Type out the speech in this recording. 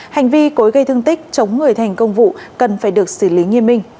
hành vi cối gây thương tích chống người thành công vụ cần phải được xử lý nghiêm minh